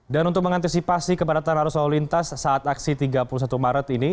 dan untuk mengantisipasi keberatan arus lalu lintas saat aksi tiga puluh satu maret ini